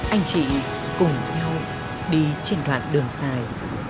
anh chị cùng nhau đi trên đoạn đường dài